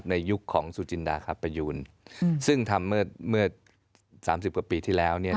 ยุคของสุจินดาครับประยูนซึ่งทำเมื่อ๓๐กว่าปีที่แล้ว